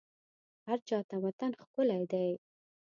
هرچا ته وطن ښکلی دی